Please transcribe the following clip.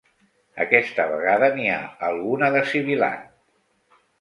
Aquesta vegada n'hi ha alguna de sibilant.